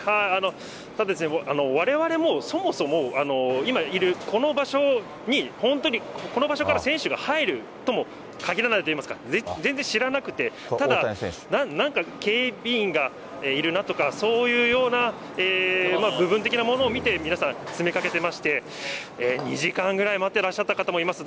ただですね、われわれも、そもそも、今いるこの場所に、本当に、この場所から選手が入るともかぎらないといいますか、分からなくて、ただ、なんか警備員がいるなとか、そういうような部分的なものを見て、皆さん、詰めかけてまして、２時間ぐらい待ってらっしゃった方もいます。